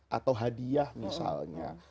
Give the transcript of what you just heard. atau hadiah misalnya